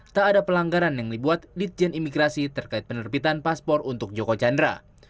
tak ada pelanggaran yang dibuat ditjen imigrasi terkait penerbitan paspor untuk joko chandra